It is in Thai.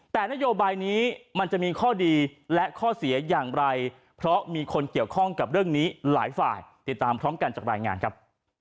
แต่นโยบายนี้มันจะมีข้อดีและข้อเสียอย่างไรเพราะมีคนเกี่ยวข้องกับเรื่องนี้หลายฝ่ายติดตามพร้อมกันจากรายงานครับ